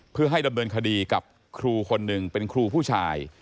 เพื่อให้ดำเนินคดีกับครูคนหนึ่งเป็นครูผู้ชาย